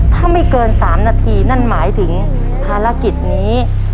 ถ้าไม่เกิน๓นาทีนั่นหมายถึงภารกิจนี้